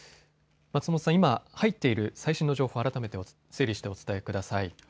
今入っている最新の情報を改めて整理してお伝えください。